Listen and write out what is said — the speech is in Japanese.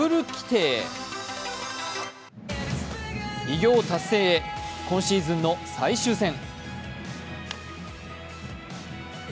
偉業達成へ、今シーズンの最終戦。